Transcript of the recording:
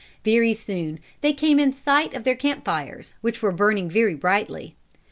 Very soon they came in sight of their camp fires, which were burning very brightly.